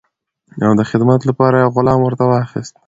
او د خدمت لپاره یې غلام ورته واخیست.